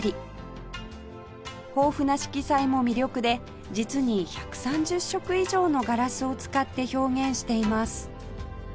豊富な色彩も魅力で実に１３０色以上のガラスを使って表現しています